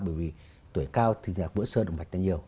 bởi vì tuổi cao thì vỡ sơn ở mạch này nhiều